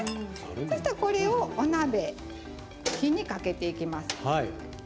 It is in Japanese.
これをお鍋、火にかけていきます。